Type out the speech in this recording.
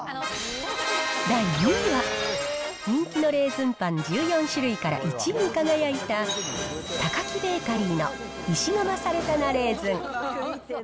第２位は、人気のレーズンパン１４種類から１位に輝いたタカキベーカリーの石窯サルタナレーズン。